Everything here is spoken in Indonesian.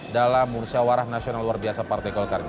dalam urusia warah nasional luar biasa partai golkar